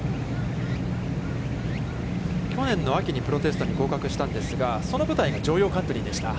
去年の秋にプロテストに合格したんですが、その舞台が城陽カントリーでした。